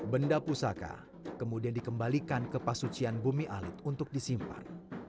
benda pusaka kemudian dikembalikan ke pasucian bumi alit untuk disimpan